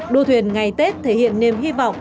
đua thuyền ngày tết thể hiện niềm hy vọng